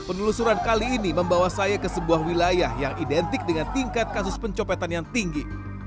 penelusuran kali ini membawa saya ke sebuah wilayah yang identik dengan tingkat kasus pencopetan yang tinggi